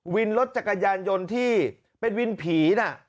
วินรถจักรยานยนต์ที่เป็นวินผีน่ะ